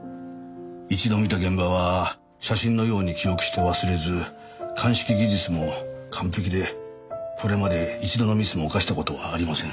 一度見た現場は写真のように記憶して忘れず鑑識技術も完璧でこれまで一度のミスも犯した事はありません。